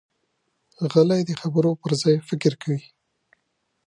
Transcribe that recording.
غلی، د خبرو پر ځای فکر کوي.